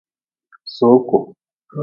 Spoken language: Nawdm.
Sooku.